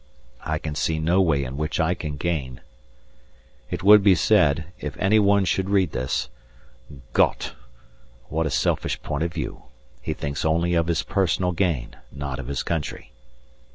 I can see no way in which I can gain. It would be said, if any one should read this: Gott! what a selfish point of view he thinks only of his personal gain, not of his country.